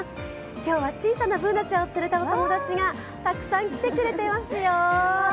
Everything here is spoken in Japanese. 今日は小さなＢｏｏｎａちゃんを連れたお友達がたくさん来てくれていますよ。